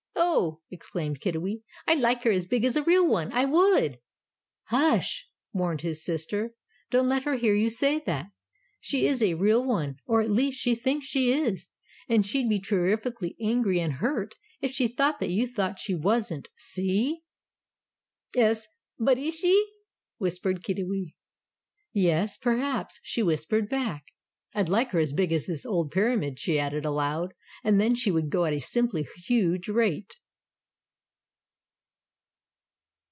"Ough!" exclaimed Kiddiwee; "I'd like her as big as a real one, I would!" "Hush!" warned his sister; "don't let her hear you say that! She IS a real one, or, at least, she thinks she is. And she'd be terrifikly angry and hurt if she thought that you thought that she wasn't see?" "'Es, but IS she?" whispered Kiddiwee. "Yes perhaps," she whispered back. "I'd like her as big as this old Pyramid," she added, aloud. "And then she would go at a simply huge rate!"